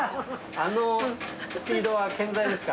あのスピードは健在ですか？